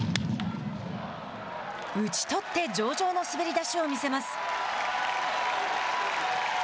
打ち取って上々の滑り出しを見せます。